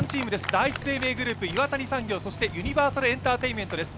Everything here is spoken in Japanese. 第一生命グループ、岩谷産業、ユニバーサルエンターテインメントです。